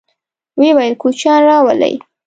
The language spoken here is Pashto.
ويې ويل: کوچيان راولئ!